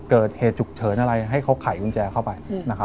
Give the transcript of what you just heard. เกิดเหตุฉุกเฉินอะไรให้เขาไขกุญแจเข้าไปนะครับ